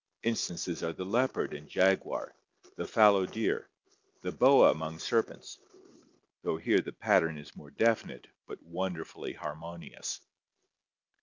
Instances are the leopard and jaguar, the fallow deer, the boa among serpents — although here the pattern is more definite but wonderfully harmonious.